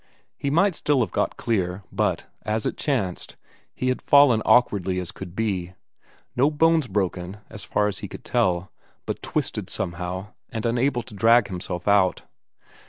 He might still have got clear, but, as it chanced, he had fallen awkwardly as could be no bones broken, as far as he could tell, but twisted somehow, and unable to drag himself out.